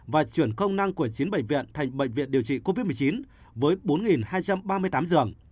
và chuyển công năng của chín bệnh viện thành bệnh viện điều trị covid một mươi chín với bốn hai trăm ba mươi tám giường